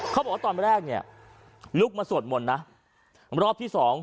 เขาบอกว่าตอนแรกเนี่ยลุกมาสวดมนต์นะรอบที่สอง